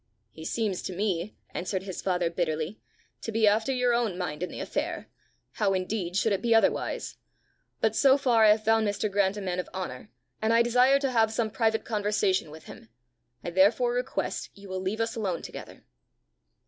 "He seems to me," answered his father bitterly, "to be after your own mind in the affair! How indeed should it be otherwise! But so far I have found Mr. Grant a man of honour, and I desire to have some private conversation with him. I therefore request you will leave us alone together."